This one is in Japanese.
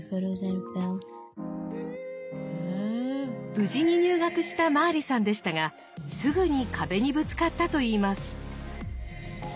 無事に入学したマーリさんでしたがすぐに壁にぶつかったといいます。